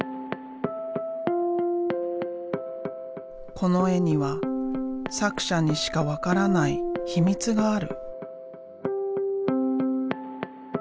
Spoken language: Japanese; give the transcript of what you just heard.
この絵には作者にしか分からない秘密がある。